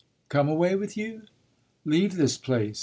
"Come away with you?" "Leave this place.